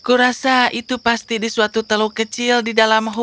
aku rasa itu pasti di suatu teluk kecil di dalam hutan